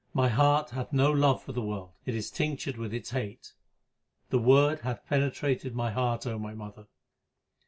My heart hath no love for the world ; it is tinctured with its hate ; the Word hath penetrated my heart, O my mother.